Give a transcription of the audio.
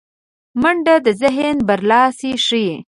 منډه د ذهن برلاسی ښيي